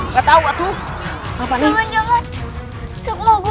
kamu apa yang sudah jadi itu